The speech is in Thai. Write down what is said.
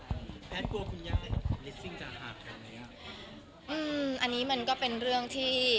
แพทย์กลัวคุณย้ายจะห่างทางไหนอ่ะอืมอันนี้มันก็เป็นเรื่องที่